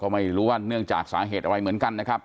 ไม่รู้ว่าเนื่องจากสาเหตุอะไรเหมือนกันนะครับ